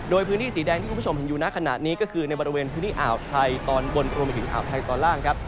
โดยพื้นที่สีแดงที่คุณผู้ชมเห็นอยู่ในขณะนี้ก็คือในบริเวณพื้นที่อ่าวไทยตอนบนรวมไปถึงอ่าวไทยตอนล่างครับ